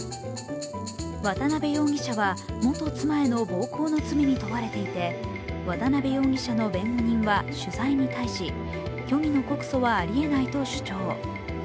渡辺容疑者は元妻への暴行の罪に問われていて、渡辺容疑者の弁護人は取材に対し虚偽の告訴はありえないと主張。